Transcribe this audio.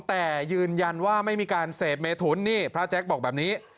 แต่ยืนยันว่าไม่มีการเสพเมถุนนี่พระแจ๊คบอกแบบนี้